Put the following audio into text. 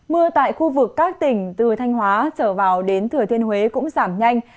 mưa tại khu vực các tỉnh từ thanh hóa trở vào đến thừa thiên huế cũng giảm nhanh